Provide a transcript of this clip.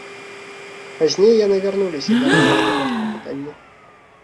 Пазней яны вярнуліся да разгляду гэтага пытання.